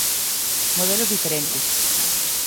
Modelos diferentes.